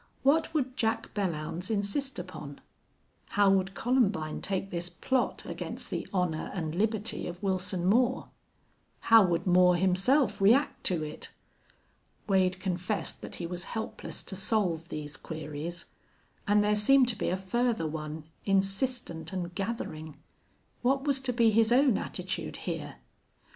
What would Jack Belllounds insist upon? How would Columbine take this plot against the honor and liberty of Wilson Moore? How would Moore himself react to it? Wade confessed that he was helpless to solve these queries, and there seemed to be a further one, insistent and gathering what was to be his own attitude here?